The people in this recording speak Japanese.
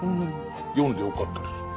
読んでよかったです。